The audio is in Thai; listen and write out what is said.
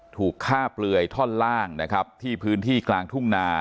ถูกฆ่าเปลือยท่อนล่างนะครับที่พื้นที่กลางทุ่งนา